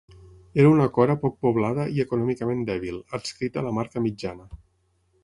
Era una cora poc poblada i econòmicament dèbil, adscrita a la Marca Mitjana.